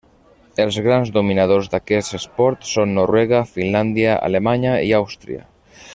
Els grans dominadors d'aquest esport són Noruega, Finlàndia, Alemanya i Àustria.